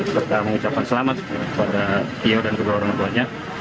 serta mengucapkan selamat kepada tio dan kedua orang tuanya